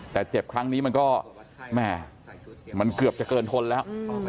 แต่เจ็บครั้งนี้มันก็แม่มันเกือบจะเกินทนแล้ว